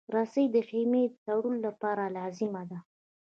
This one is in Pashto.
رسۍ د خېمې د تړلو لپاره لازمه ده.